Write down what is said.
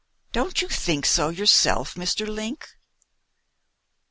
Don't you think so yourself, Mr. Link?"